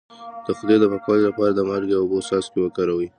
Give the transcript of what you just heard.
د خولې د پاکوالي لپاره د مالګې او اوبو څاڅکي وکاروئ